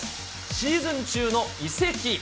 シーズン中の移籍。